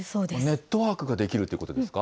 ネットワークが出来るということですか？